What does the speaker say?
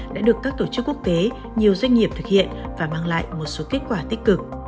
đã được các tổ chức quốc tế nhiều doanh nghiệp thực hiện và mang lại một số kết quả tích cực